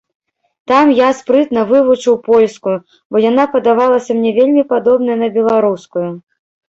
Там я спрытна вывучыў польскую, бо яна падавалася мне вельмі падобнай на беларускую.